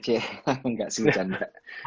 enggak sih bercanda